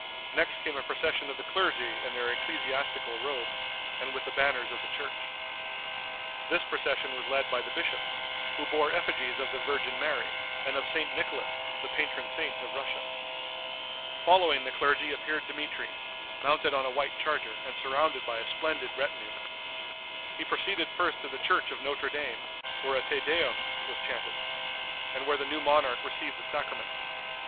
Next came a procession of the clergy in their ecclesiastical robes, and with the banners of the church. This procession was led by the bishops, who bore effigies of the Virgin Mary and of St. Nicholas, the patron saint of Russia. Following the clergy appeared Dmitri, mounted on a white charger, and surrounded by a splendid retinue. He proceeded first to the church of Notre Dame, where a Te Deum was chanted, and where the new monarch received the sacrament.